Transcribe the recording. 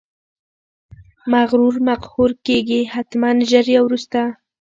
مغرور مقهور کیږي، حتمأ ژر یا وروسته!